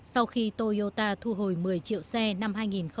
sau khi toyota thu hồi một mươi triệu xe năm hai nghìn chín hai nghìn một mươi